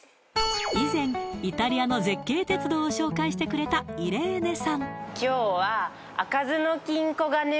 以前イタリアの絶景鉄道を紹介してくれたイレーネさん